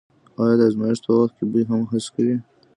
آیا د ازمایښت په وخت کې بوی هم حس کوئ؟